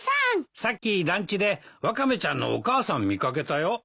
さっき団地でワカメちゃんのお母さん見掛けたよ。